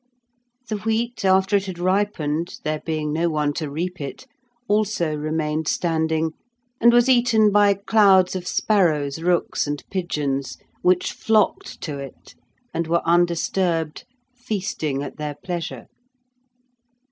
The wheat, after it had ripened, there being no one to reap it, also remained standing, and was eaten by clouds of sparrows, rooks, and pigeons, which flocked to it and were undisturbed, feasting at their pleasure.